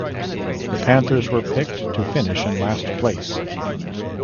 The Panthers were picked to finish in last place.